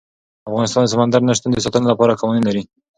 افغانستان د سمندر نه شتون د ساتنې لپاره قوانین لري.